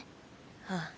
ああ。